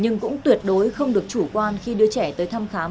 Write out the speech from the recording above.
nhưng cũng tuyệt đối không được chủ quan khi đưa trẻ tới thăm khám